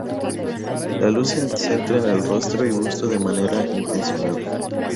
La luz se centra en el rostro y busto de manera intencionada.